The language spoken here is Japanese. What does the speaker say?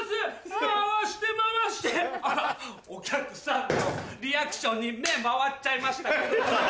回して回してあらお客さんのリアクションに目回っちゃいました。